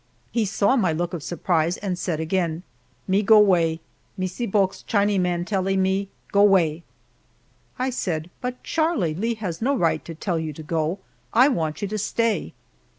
He saw my look of surprise and said again, "Me go 'way Missee Bulk's Chinee man tellee me go 'way." I said, "But, Charlie, Lee has no right to tell you to go; I want you to stay."